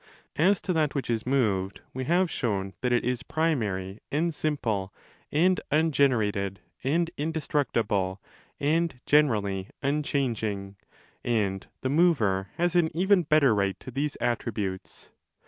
As to that which is moved, we have shown that it is primary and simple and ungenerated and 288° indestructible and generally unchanging; and the mover has an even better right to these attributes.